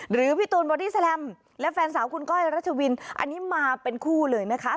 พี่ตูนบอดี้แลมและแฟนสาวคุณก้อยรัชวินอันนี้มาเป็นคู่เลยนะคะ